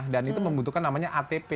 dan itu membutuhkan atp